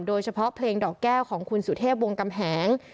โดยเฉพาะเพลงดอกแก้วของคุณสุเทพวงกำแหง